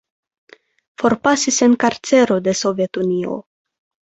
Forpasis en karcero de Sovetunio.